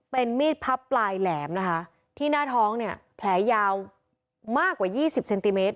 เป็นมีดพับปลายแหลมนะคะที่หน้าท้องเนี่ยแผลยาวมากกว่า๒๐เซนติเมตร